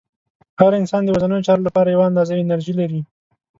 هر انسان د ورځنیو چارو لپاره یوه اندازه انرژي لري.